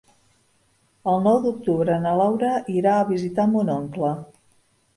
El nou d'octubre na Laura irà a visitar mon oncle.